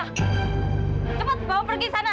cepat bawa pergi sana